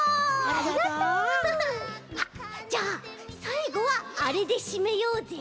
ありがとう！じゃあさいごはあれでしめようぜ。